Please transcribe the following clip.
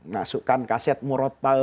masukkan kaset muradpal